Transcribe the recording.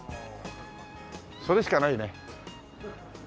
それしかないね。